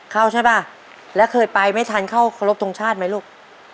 เข้าใช่ป่ะแล้วเคยไปไม่ทันเข้าเคารพทงชาติไหมลูก